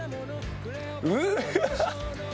うわ！